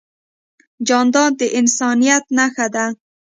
جانداد د انسانیت نښه ده.